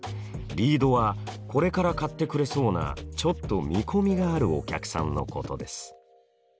リードはこれから買ってくれそうなちょっと見込みがあるお客さんのことです。